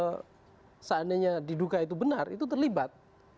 kita tidak hanya diduka itu benar itu terlibat